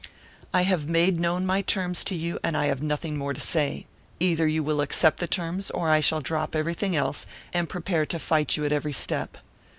I have made known my terms to you, and I have nothing more to say. Either you will accept the terms, or I shall drop everything else, and prepare to fight you at every step.